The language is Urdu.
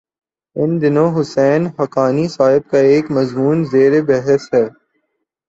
ان دنوں حسین حقانی صاحب کا ایک مضمون زیر بحث ہے۔